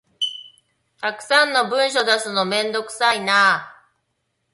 たくさんの文書出すのめんどくさいな